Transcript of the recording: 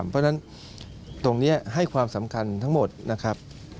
เพราะฉะนั้นตรงนี้ให้ความสำคัญทั้งหมดนะครับ